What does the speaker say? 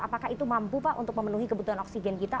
apakah itu mampu pak untuk memenuhi kebutuhan oksigen kita